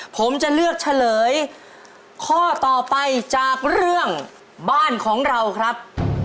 ผมจะเลือกเฉลยข้อต่อไปจากเรื่องบ้านของเราครับ